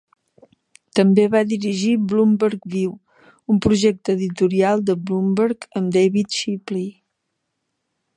També va dirigir "Bloomberg View", un projecte editorial de Bloomberg, amb David Shipley.